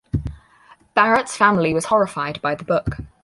Barrett's family was horrified by the book.